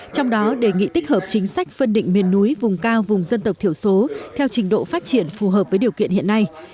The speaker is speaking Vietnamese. trong đó đề nghị tích hợp chính sách phân định miền núi vùng cao vùng dân tộc thiểu số theo trình độ phát triển phù hợp với điều kiện hiện nay